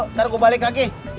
ntar gua balik lagi